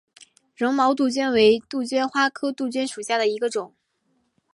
绒毛杜鹃为杜鹃花科杜鹃属下的一个种。